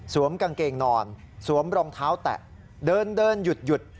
กางเกงนอนสวมรองเท้าแตะเดินหยุด